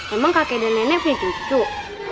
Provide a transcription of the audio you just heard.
emang kakek dan nenek punya cucu